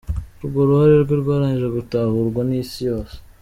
Urwo ruhare rwe rwarangije gutahurwa n’isi yose.